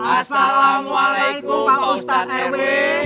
assalamualaikum pak ustad rw